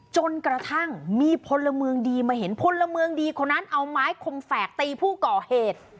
จนกระทั่งมีพลเมืองดีมาเห็นพลเมืองดีคนนั้นเอาไม้คมแฝกตีผู้ก่อเหตุ